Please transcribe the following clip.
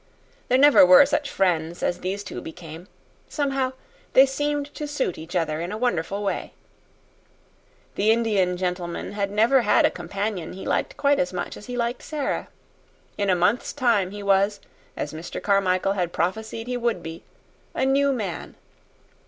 There never were such friends as these two became. Somehow, they seemed to suit each other in a wonderful way. The Indian gentleman had never had a companion he liked quite as much as he liked Sara. In a month's time he was, as Mr. Carmichael had prophesied he would be, a new man.